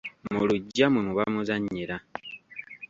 Mu luggya mwe muba muzannyira.